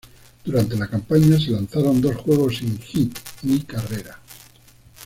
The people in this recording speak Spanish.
Durante la campaña se lanzaron dos juegos sin hit ni carrera.